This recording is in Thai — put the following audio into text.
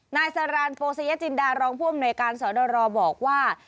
นายสรานโปเซยจินดารองพ่วงหน่วยการสอดรบอกว่า